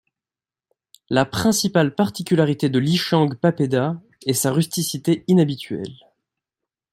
La principale particularité de l'Ichang papeda est sa rusticité inhabituelle.